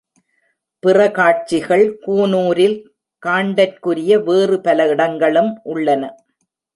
பிற காட்சிகள் கூனூரில் காண்டற்குரிய வேறு பல இடங்களும் உள்ளன.